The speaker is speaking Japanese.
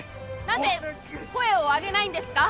なぜ声を上げないんですか？